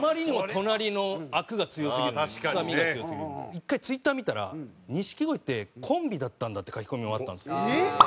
１回Ｔｗｉｔｔｅｒ見たら「錦鯉ってコンビだったんだ」って書き込みもあったんですよ。